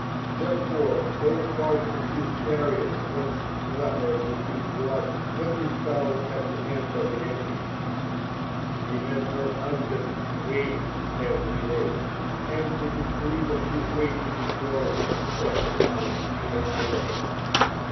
Therefore those parts of his chariot were spattered with his blood when he fell at the hand of the enemy. (49) She had her husband weighed every day, and the increase of his weight in gold she sacrificed to the idol.